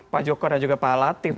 pak joko dan juga pak latif